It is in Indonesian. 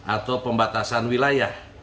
atau pembatasan wilayah